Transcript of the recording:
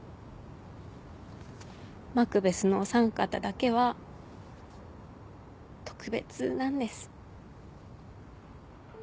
マクベスのおさん方だけは特別なんです。